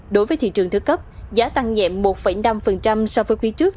đối với thị trường thứ cấp giá tăng nhẹ một năm so với quý trước